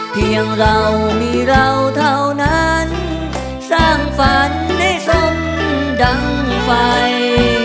เพียงเรามีเราเท่านั้นสร้างฝันได้สมดังไฟ